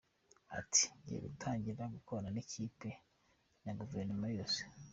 Ati ‘‘Ngiye gutangira gukorana n’ikipe na guverinoma yose.